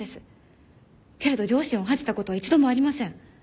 けれど両親を恥じたことは一度もありません。